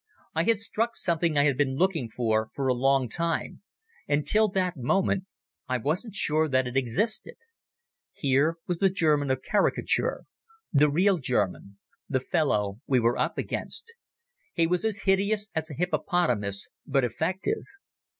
I had struck something I had been looking for for a long time, and till that moment I wasn't sure that it existed. Here was the German of caricature, the real German, the fellow we were up against. He was as hideous as a hippopotamus, but effective.